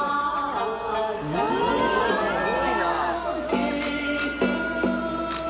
すごいな。